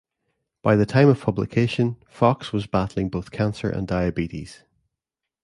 By the time of publication, Fox was battling both cancer and diabetes.